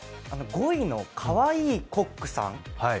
５位のかわいいコックさん。